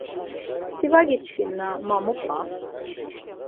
Si var giçkinna ma mu p̌a!